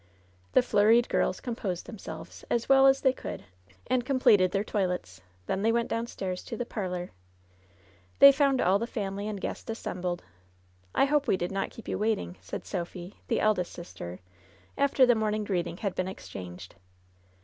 The flurried girls composed themselves as well as they could, and completed their toilets. Then they went downstairs to the parlor. They found all the family and guests assembled. "I hope we did not keep you waiting," said Sophy, the eldest sister, after the morning greeting had been exchanged.